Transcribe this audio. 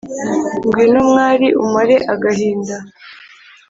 “ngwino mwali umare agahinda